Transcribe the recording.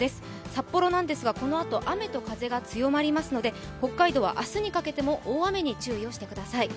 札幌なんですが、このあと雨と風が強まりますので、北海道は明日にかけても大雨に注意をしてください。